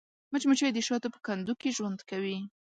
مچمچۍ د شاتو په کندو کې ژوند کوي